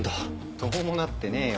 どうもなってねえよ